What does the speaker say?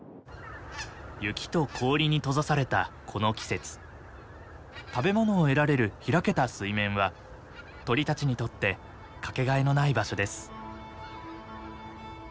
雪と氷に閉ざされたこの季節食べ物を得られる開けた水面は鳥たちにとってかけがえのない場所です。